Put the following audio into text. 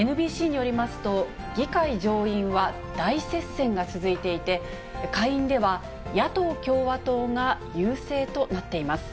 ＮＢＣによりますと、議会上院は大接戦が続いていて、下院では野党・共和党が優勢となっています。